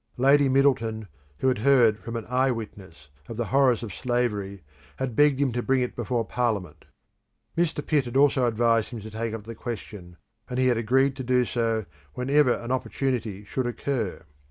Lady Middleton, who had heard from an eye witness of the horrors of slavery, had begged him to bring it before parliament. Mr. Pitt had also advised him to take up the question, and he had agreed to do so whenever an opportunity should occur.